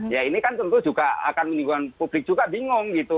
ya ini kan tentu juga akan menimbulkan publik juga bingung gitu